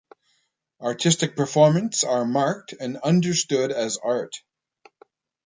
Artistic Performance are marked and understood as art.